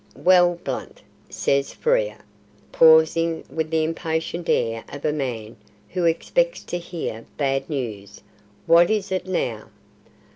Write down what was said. "Well, Blunt," says Frere, pausing with the impatient air of a man who expects to hear bad news, "what is it now?"